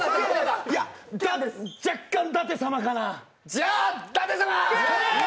じゃ舘様。